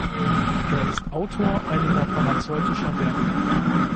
Er ist Autor einiger pharmazeutischer Werke.